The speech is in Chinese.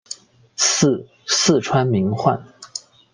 祀四川名宦。